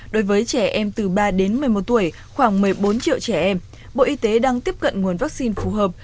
đối với trẻ em từ ba đến một mươi một tuổi khoảng một mươi bốn triệu trẻ em bộ y tế đang tiếp cận nguồn vaccine phù hợp